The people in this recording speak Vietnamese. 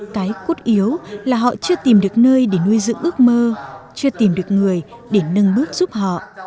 cái cốt yếu là họ chưa tìm được nơi để nuôi dựng ước mơ chưa tìm được người để nâng bước giúp họ